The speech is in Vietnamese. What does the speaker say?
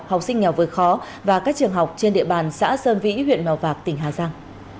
học sinh nghèo vượt khó và các trường học trên địa bàn xã sơn vĩ huyện mèo vạc tỉnh hà giang